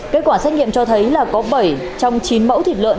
kết quả xét nghiệm cho thấy là có bảy trong chín mẫu thịt lợn